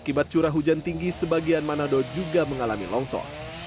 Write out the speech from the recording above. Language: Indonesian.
akibat curah hujan tinggi sebagian manado juga mengalami longsor